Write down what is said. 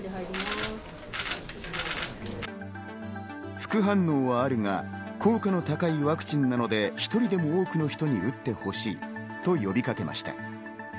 副反応はあるが、効果の高いワクチンなので１人でも多くの人に打ってほしいと呼びかけました。